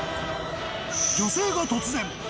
女性が突然。